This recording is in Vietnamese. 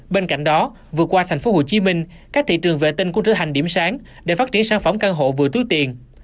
bên cạnh đó vừa qua tp hcm các thị trường vệ tinh cũng trở thành điểm sáng để phát triển sản phẩm căn hộ vừa túi tiền